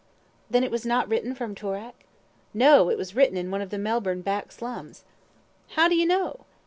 "Then it was not written from Toorak?" "No, it was written in one of the Melbourne back slums." "How do you know?"